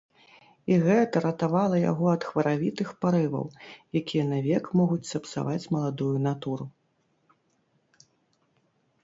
І гэта ратавала яго ад хваравітых парываў, якія навек могуць сапсаваць маладую натуру.